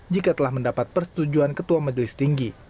jika telah mendapat persetujuan ketua majelis tinggi